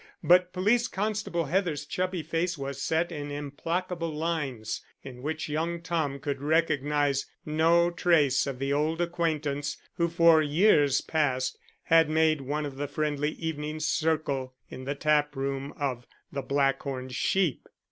But Police Constable Heather's chubby face was set in implacable lines, in which young Tom could recognize no trace of the old acquaintance who for years past had made one of the friendly evening circle in the tap room of The Black Horned Sheep.